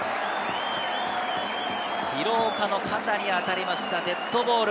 廣岡の肩に当たりました、デッドボール。